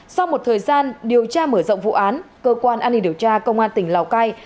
sau một thời gian điều tra mở rộng vụ án cơ quan an ninh điều tra công an tỉnh lào cai